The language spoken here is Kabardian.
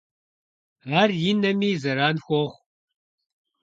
Ар и нэми зэран хуохъу.